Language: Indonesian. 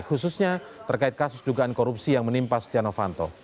khususnya terkait kasus dugaan korupsi yang menimpa stiano vanto